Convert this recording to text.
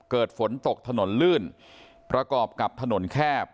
เกิดฝนตกถนนลื่นประกอบกับถนนแคบ